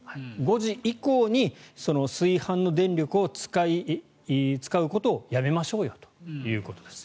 ５時以降に炊飯の電力を使うことをやめましょうということです。